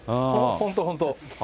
本当、本当。